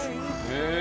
へえ。